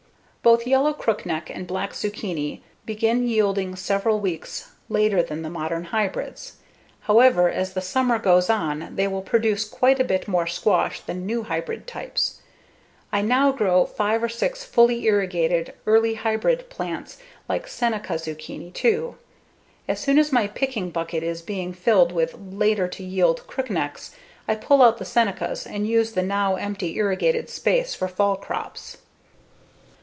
Both Yellow Crookneck and Black Zucchini begin yielding several weeks later than the modern hybrids. However, as the summer goes on they will produce quite a bit more squash than new hybrid types. I now grow five or six fully irrigated early hybrid plants like Seneca Zucchini too. As soon as my picking bucket is being filled with later to yield Crooknecks, I pull out the Senecas and use the now empty irrigated space for fall crops.